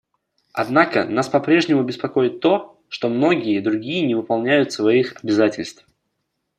Однако нас попрежнему беспокоит то, что многие другие не выполняют своих обязательств.